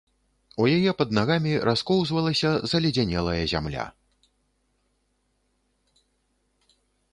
У яе пад нагамі раскоўзвалася заледзянелая зямля.